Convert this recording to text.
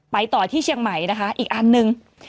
ต่อที่เชียงใหม่นะคะอีกอันหนึ่ง